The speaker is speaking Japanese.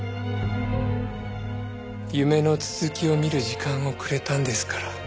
夢の続きを見る時間をくれたんですから。